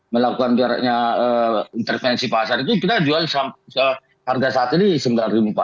melakukan jaraknya intervensi pasar itu kita jual harga saat ini rp sembilan empat ratus